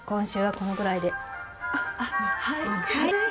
はい。